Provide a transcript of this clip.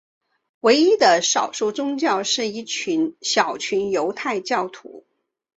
唯一的少数宗教是一小群犹太教徒。